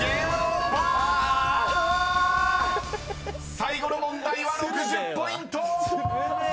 ［最後の問題は６０ポイント！］